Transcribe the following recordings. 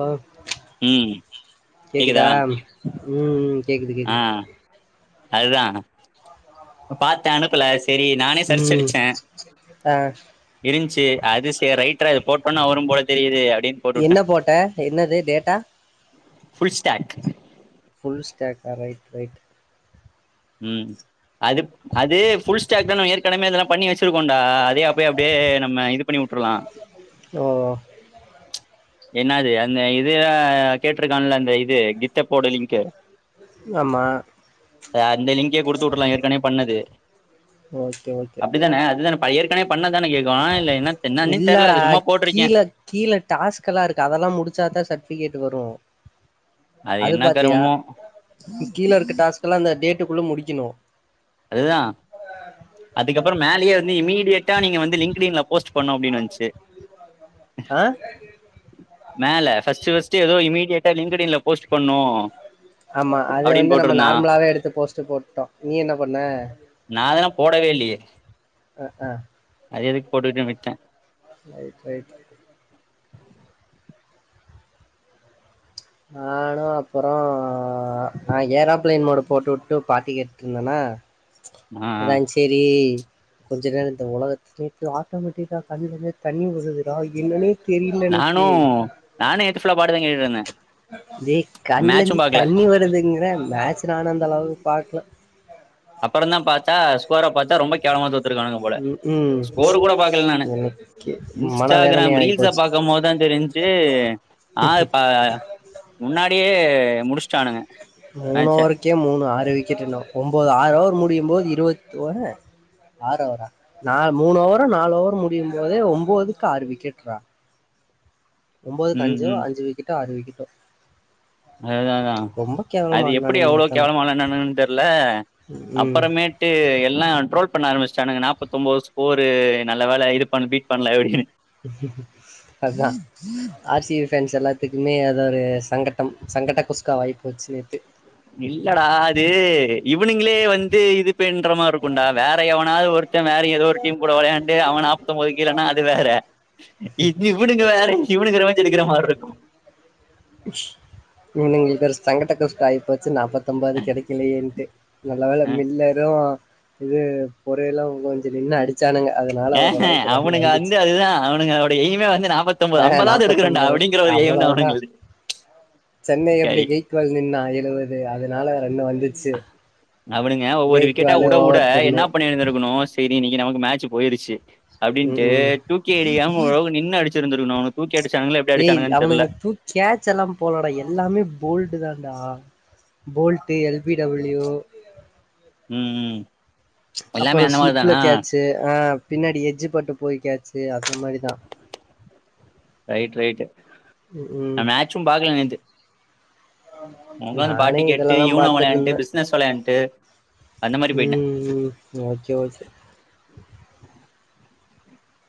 ஆ ம் கேக்குதா ம் ம் கேக்குது ஆ கேக்குது அதுதா பாத்தே அனுப்புல செரி நானே சர்ச்ச ம் அடிச்சே ஆ இருந்துச்சு அது ச ரைட்ரா போட்டோனா வரும் போல தெரியுது அப்டின்னு போட்டுட்டே என்ன போட்ட என்னது டேட்டா ஃபுல்ஸ்டேக் புல்ஸ் ஸ்டேட்டர் ரைட் ரைட் உம் அது அது புல் ஸ்டாக் தா நா ஏற்கனமே இதெலா பண்ணி வச்சிருபோன்டா அதே அப்டே அப்டியே நம்ம இது பண்ணி உட்ருலா ஓ என்னது அந்த இதுதா கேட்ருக்கான்ல அந்த இது கித்தப்போடலிங்க்கு ஆமா அ அந்த லிங் இங்கியே குடுத்து உட்றுலா ஏற்கனவே பண்ணது ஓகே ஓகே அப்டிதானே அதுதானே பயர் ஏற்கனவே பண்ணது இதானே கேக்கோ இல்ல இதானே கேக்கு இன்னான்னே தெர்ல இல்லடா அது சும்மா போட்டுருக்கே கலா இருக்கு அதெலா முடிச்சாதா சர்ட்டிஃபிகேட்டு வரோ அது என்ன பாத்தியா கருமமோ கீழ இருக்க டாஸ்க் இதல அந்த டேட்டுக்குள்ள முடிக்கணு அதுதா அதுக்கப்புரோ மேலியே வந்து இமி இமிடியட்டா நீங்க வந்து லிங்க் கிரின்ல போஸ்ட் பண்ணோ அப்டினு வச்சு ஆ மேல ஃபஸ்டு ஃபஸ்டு ஏதோ இமிடியேட் ஏ லிங்கடின்ல போஸ்ட் பண்ணு ஆமா அது அப்டின்னு வந்து நம்ம போட்டிருந்தா நார்மலாவே எடுத்து போஸ்டு போட்டோ நீ என்ன ஒன்ன அதலா போடவே இல்லியே ஆ ஆ போட்டுகுட்டு விட்டே ரைட் ரைட் ரைட் நானோ அப்புரோ அ நா ஏறா பிளைன் மோடு போட்டு உட்டு பாட்டு கேட்டுருந்தனா ஆ அதா செரி கொஞ்ச நேர இந்த உலகத் [unintelligible] ஆட்டோமேட்டிகா கண்ணுலந்து தண்ணி உழுதுறா என்னனே நானு நானோ நட்ஃபுல்லா தே மேட்சும் கண்லந்து பாக்கல தண்ணி வருதுங்கிற மேச்சு நானு அந்த அளவுக்கு பாக்கல அப்பறந்தா பாத் தா ஸ்கோர பாத்தா ரொம்ப கேவலமா தோத் தோத்து இருக்கானுக போல ம் ம் ஸ்கோரு கூட பாக்கல நானு எனக்கு மனவேதனை இன்ஸ்டாகிராம் ஆயி ரீல்ஸ்ஸ போச்சு பாக்கும்போதுதா தெரின்சி ஆறு ப முன்னாடியே முடிச்சுட்டானுங்க மூணு மேட்ச ஓவருக்கே மூணு ஆறு விக்கெட்னு ஒன்பது ஆறு ஓவரு மு அப்டிமோது இருவத் ஓர் ஆறு ஓவரா நால் மூணு ஓவரோ நாலு ஓவரோ முடியு போத ஒன்பதுக்கு ஆறு விக்கெட்ரா ஒன்பதுக்கு அஞ்சோ அஞ்சு விக்கெட்டோ ஆறு விக்கட் [inaudible] அதுநாஅதா அது எப்படி ஆடுனானுங்க அவ்ளோ நேத்தான கேவலாம்ன்னு தெர்ல ம் அப்புறமேட்டு எல்லா ட்ரோல் பண்ண ஆரம்பிச் சானுங்க நாப்பத்த ஒன்பது ஸ்கோரு நல்ல வேல இது பண்ண பீட் பண்ணல எப்டின்னு அதா ஆர் சி சி ஃபேன்ஸ் எல்லாத்துக்குமே அத ஒரு சங்கட்டம் சங்கட்ட குஸ்கா வாய்ப்போச்சு இல்லடா அது இவனுங்களே வந்து இது இப்பன்ற மாதி இருக்கும்டா வேற எவனாவது ஒருத்த வேற ஏதோ ஒரு டீம் கூட விளையாண்டு அவனப்பத்த போதுக்கலன்னா அது வேற இவனுங்க வேற இவனுங்க ரிவன்ஞ் எடுக்கிற மாரி இருக்கு இவனுங்க இந்த சங்கடகசுஆகிபச்சு நாற்பத் பத்தொம்பது கிடைக்கலேன்ட்டு நல்ல வேல மில்லரு இது பொறையல்லாம்ஞ் ஆஹ ரன் அவனுங்க வந்து வந்துச்சு அதுதா அவனுங்கலேட எய்மே வந்து நா நாப்பதொம்பேது ஆஹ் ஐம்பதாவுது எடுக்கணுண்டா நாற்பத்தொன்பது அப்படிங்கிற ஒரு எயம் அவ்வளவுதான் தாஅவுனுங்கது சென்னை எப்படி கெய்க்வாள் நின்னா எழுவது அதனால ரன்னு வந்து அவனுங்க ஒவ்வொரு விக்கெட்டா வுட வுட ஓவர் என்ன டென்னு பண்ணிந்தக்கணு செரி இன்னைக்கு நமக்கு மேட்சு போயிருச்சு ம் அப்டின்ட்டு ம் தூக்கி எரியாம ஒரளவு நின்னு அடிச்சிருந்து இநோ தூக் ஏய் அவனுங்க தூக் கேட்ச் எல்லாமே போலடா எல்லாமே போல்டு தா தா போல்ட் எல்பிடபிள்யூ ம் ம் எல்லாமே அப்புறம் அந்த மாரி ஸ்லிப்ல தானா கேச்சு ஆ பின்னாடி எஜ்ஜு பட்டு போய் கேச்சு ச்சு அந்த மாதிரிதா ரைட் ரைட்டு ம் நா ம் மேட்சும் பாக்கல நேத்து அங்க வந்து பாட்டு நானே கேட்டு இதெல்லாதா யூனோ வெளயான்ட்டு பாத்துட்ருந்தே பிஸ்னஸ் வெளயான்ட்டு ம் ஓகே ஓகே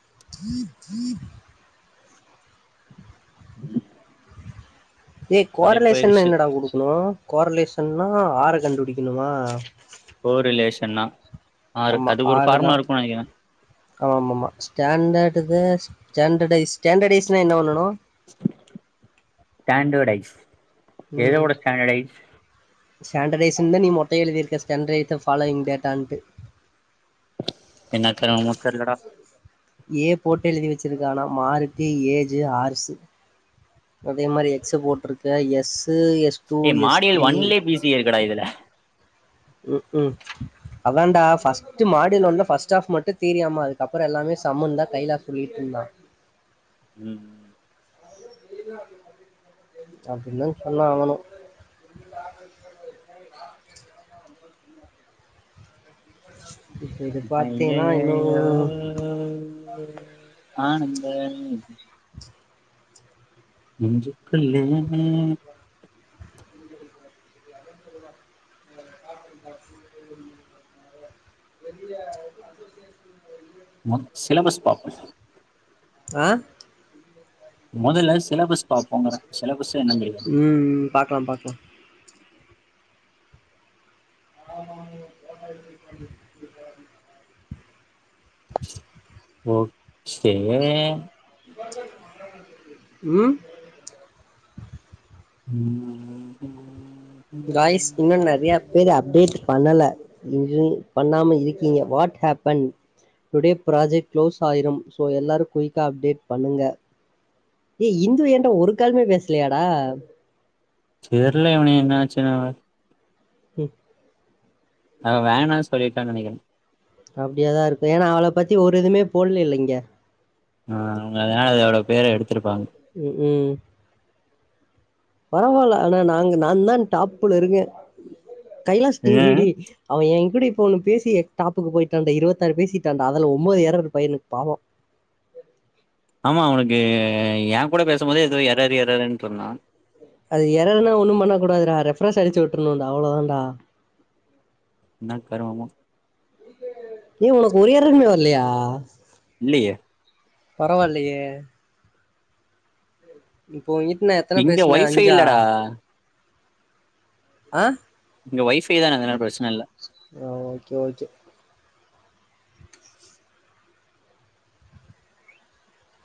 [inaudible] ம் ஏ க்வாரலேஷன்னா எ என்னடா குடுக்கணு க்வாரலேஷ ன்னா ஆற கண்டுபிடிக்கணுமா போ ரிலேஷன்னா ஆறு ஆமா அதுக்கு ஒரு ஆறு தா ஃபார்முலா இருக்கும்னு நெனைக்கிறே ஆமமா ஸ்டான்டடுதா ஸ்டான்டடைஸ் ஸ்டான்டடைஸ்னா என்ன பண்ணனு ஸ்டாண்டர்டைஸ் ம் எதோட ஸ்டாண்டர்டைஸ் ஸாண்டடைஸுன் தா நீ மட்டு எழுதிரு க்க‌ ஸ்டான்ரைட்த ஃபாலோயிங் டேட்டான்ட்டு என்னக்கருமமோ தெர்லடா ஏ போட்டு எழுதி வச்சிருக்க ஆனா மார்க்கு ஏஜு ஆர்சு அதே மாரி எக்ஸ போட்ருக்க எஸ் டூ ஏ எஸ் மாடியல் த்ரீ ஒன்லே பி சி இருக்குடா இதுல ம் ம் அதாண்டா ஃபர்ஸ்ட்டு மாடில் ஒன்ல ஃபர்ஸ்ட் ஹாப் மட்டு தியரியாமா அதுக்கப்புறொ எல்லாமே சம்முன் தா கைலா சொல்லிட்ருந்தா ம் ம் அப்டின்தா சொன்னா அவனு இப்ப இது பாத்தீன்னா இன்னு அய்யய்யய்யோ ஆனந்தமே நெஞ்சு க்குள்ளே [inaudible] வெளில அசோசியேஷன்ல [inaudible] மொ சிலபஸ் பாப்பொ ஆ மொதல்ல சிலபஸ் பாப்போங்குற சிலபஸ் என்னன்னு தெரியாது ம் ம் பாக்லா பாக்லா ஆமா [inaudible] ஓகே ம் ம் ம் காய்ஸ் இன்னு நறையா பேரு அப்டேட் பண்ணல இன்று பண்ணாம இருக்கீங்க what happen today project close ஆயிரும் சோ எல்லாரு குயிக்கா அப்டேட் பண்ணுங்க ஏ இந்து ஏன்டா ஒரு காலுமே பேசலயாடா தெர்ல இவனே என்ன ஆச்சுனு அவ ம் அவ வேணா சொல்லிட்டா நெனக்கிறே அப்டியாதா இருக்கு ஏனா அவள பத்தி ஒரு இதுமே போல்லைல இங்க ஆ அவுங்க அதுனால அதோட பேர எடுத் ம் ம் பரவால்ல ஆனா நாங்க நா தா டாப்புல இருக்கே கைலா ஏன்? தீரிடி அவன் ஏ கூடிப் இப்ப ஒண்ணு பேசி டாப்புக்கு போயிட்டான்ண்ட இருபத்தாறு பேசிட்டான்ண்டா அதுல ஒன்பது ஏரர் பையனுக்கு பாவோ ஆமா உனக்கு ஏ கூட பேசு போதே எதோ எரர் எரர்ன் ற்றுனுன்னா அது எரர்னா ஒண்ணு பண்ண கூடாதுடா ரெஃபரன்ஸ் அடிச்சு விட்டுருணுடா அவ்வளோதாடா என்னா கருமமோ ஏ உனக்கு எரர்மே வரலையா இல்லியே பரவாயில்லையே ம் போகிட்ட நா எத்தன இங்க பேசனே ஒய்ஃபை அஞ்சா இல்லடா ஆ இங்க ஒய் ஃபை தான அதனால பிரச்சன இல்ல ஆ ஓகே ஓகே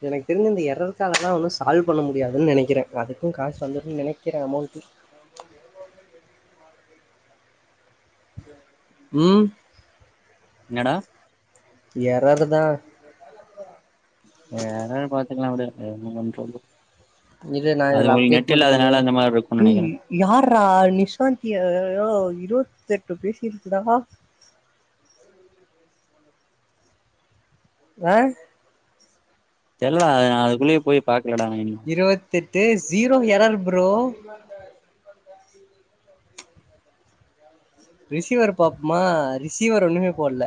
எனக்கு தெரிஞ்சி இந்த எரர் காலலா ஒன்னு சால்வ் பண்ண முடியாதுன்னு நெனைக்கிறே அதுக்கு காசு வந்துரும்ன்னு நெனைக்கிறே அமௌண்ட் ம் இன்னடா எரர்தா எரர் பாத்துக்கலா உடு [unintelligible] இரே நா இதல்லா அப்டேட்மட்டு பண்ணி அந்த மாரி இருக்குன்னு ஏய் நெனைக்கிறே யார்ரா நிஷாந்திய யோவ் இரு ஷ்சட்ட பேசிட்டு இருக்டா லே அ தெரியலதுடா நா அதுக்குள்ளயே போய் பாக் இருவத்தெட்டு ஜீரோ எரர் ப்ரோ ப ப ரிசீவர் பாப்போமா ரிசீவர் ஒண்ணுமே போடல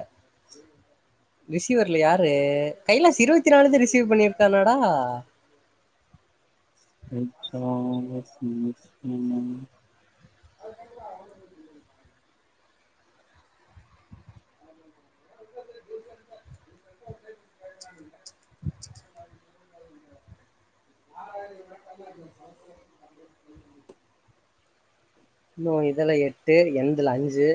ரிசீவர்ல யாரு கைலாசு இருவத்தி நாலு ரிசீவ் பண்ணிருக்கானடா [unintelligible] அது ஆ அ ச் ச் ஆ இன்னு இதுல எட்டு எண்துல அஞ்சி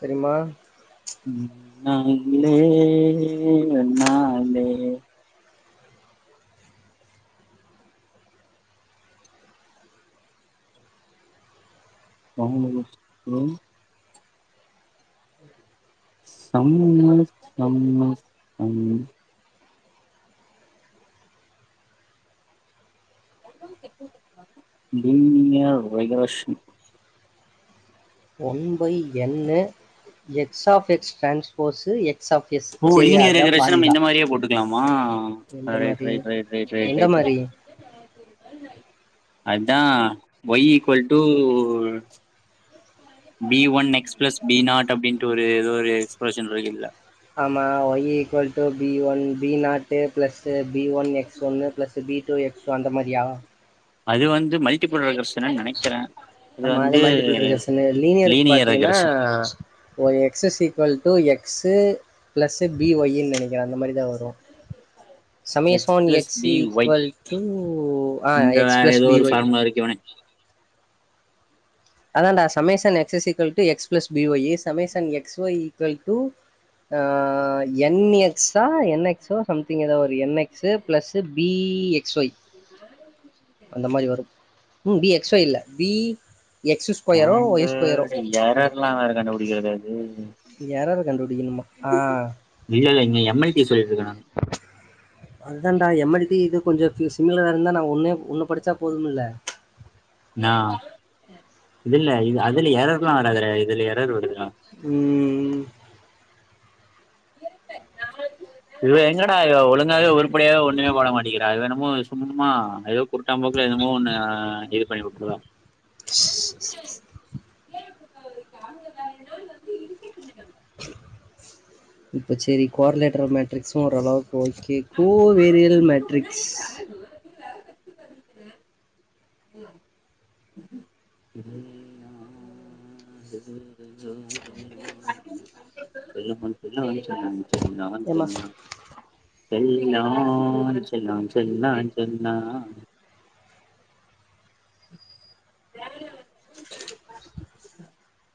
பெரிமா உ நாலே நாலே ஆ [unintelligible] [unintelligible] டின்யர் ரெகாரஷன் ஒன் பை எண்ணு X of X transpose egg [unintelligible] நம் இந்த மாரியே போட்டுக்கலாமா எந்த ரைட் மாரி ரைட் ரைட் ரைட் ரைட் எந்த ரைட் மாரி அதா Y equal to B one X plus B naught அப்டின்ட்டு ஒரு ஏத ஒரு எக்ஸ்பிரஷன் இருக்குல்ல ஆமா Y equal to B one B naught plus B one X ஒன்ன plus B two X so அந்த மாரியா அது வந்து மல்டிபரர்ஷு நெனைக்கறே ஆமா அது மாரி பண்றது இருக்க லீனியக்கு லீனியர் பாத்தீங்கன்னா ரெகரஷன் ஒரு X excess equal to egg square X plus B ஒய்ன்னு நெனைக்கறே அந்த மாரி தா வரு சமய சோன் பிளஸ் எக்ஸ் பி இ ஒய் ஈக்வல்ட்டு ஆ இங்க எக்ஸ் வேற ப்ளஸ் ஏதோ பி ஒரு ஒய் ஃபார்முலா இருக்கு இவனே அதாடா சபேசன் X equal to X plus B Y சபேசன் எக்ஸ் ஒய் இக்வல்ட்டு ஆ என் எக்ஸ் ஆ என் எக்சோ சம்திங் ஏதோ N X plus B B X Y அந்த மாரி வரும் ம் பீ எக்ஸா இல்ல பீ ஏண்டு. எரர்லா [unintelligible] [unintelligible] யரர் கண்டுபுடிக்கணுமா ஆ இல்ல இல்ல இங்க எம்எல்டி ஸ் அதுதான்டா எம்மல்டி இது கொஞ்ச சிமிலர இருந்தா நா ஓன்னே ஒன்னு படிச்சா போதும்ல்ல நா இல்ல இல்ல இது அதல எறருலா வராத இதுல எறரு வருதுல ம் இவ எங்கடா இவ ஒழுங்காவே உருப்படியாவே ஒண்ணுமே போட மாட்டிக்கிறா. இவ என்னமோ சும்மா ஏதோ கூப்டே போக்குல என்னமோ ஒண்ணு இது பண்ணி வுட்றுவ [inaudible] ஏ அவுங்க வேற நாள் வந்து இருக்ககேங்க இப்ப சேரி கோர்லட்ல. மேட்ரிக்ஸு ஓரளவுக் ஓகே கூவேரியல் மேட்ரிக்ஸ் [inaudible] [inaudible] எல்ல பல்ல வ சொல்லன்னாங்க சேரி நமக் என்ன செல்லம் செல்லம் சொல்லோ செல்லம்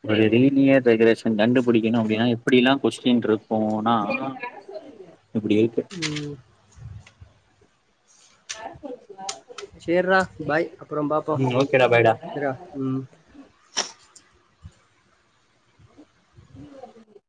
ஒரு டினியர். டெக்ரெசன கண்டுபுடிக்கணு அப்டின்னா எப்டிலா கொஸ்டின் இருக்கோனா இப்டி இருக்கு ஏமா காசு கொண்டு வா சேர்ரா பாய் அப்புற பாப்போ ஓகேடா பைடா சேர்ரா ம் [unintelligible]